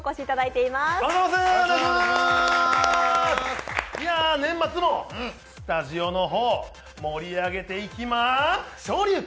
いや、年末もスタジオの方盛り上げていきま翔龍拳！